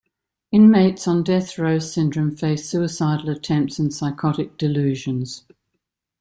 Inmates on death row syndrome face suicidal attempts and psychotic delusions.